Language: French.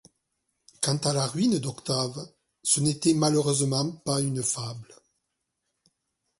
Quant à la ruine d’Octave, ce n’était malheureusement pas une fable.